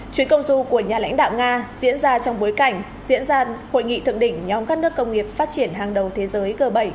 chuyến công du của nhà lãnh đạo nga diễn ra trong bối cảnh diễn ra hội nghị thượng đỉnh nhóm các nước công nghiệp phát triển hàng đầu thế giới g bảy